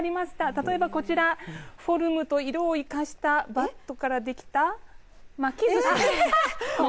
例えばこちらフォルムと色を生かしたバットからできた巻きずし。